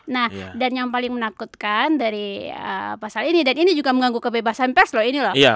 nah dan yang paling menakutkan dari pasal ini dan ini juga mengganggu kebebasan pers loh ini loh